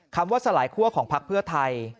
คำว่าสลายคั่วของพักเพื่อไทย